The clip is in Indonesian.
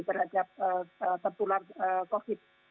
terhadap tertular covid